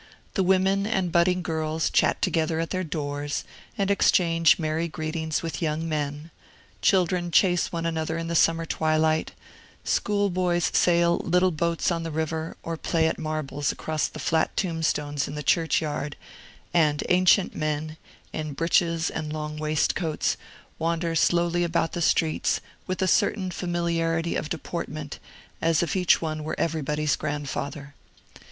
The women and budding girls chat together at their doors, and exchange merry greetings with young men; children chase one another in the summer twilight; school boys sail little boats on the river, or play at marbles across the flat tombstones in the churchyard; and ancient men, in breeches and long waistcoats, wander slowly about the streets, with a certain familiarity of deportment, as if each one were everybody's grandfather.